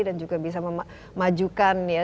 dan juga bisa memajukan ya